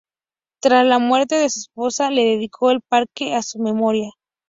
Tras la muerte de su esposa le dedicó el parque a su memoria.